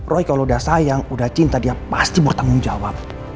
roy kalau udah sayang udah cinta dia pasti bertanggung jawab